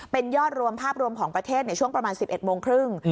เป็นยอดรวมภาพรวมของประเทศในช่วงประมาณ๑๑โมงครึ่ง